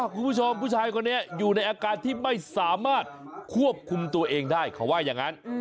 คุณผู้ชมผู้ชายคนนี้อยู่ในอาการที่ไม่สามารถควบคุมตัวเองได้เขาว่าอย่างนั้น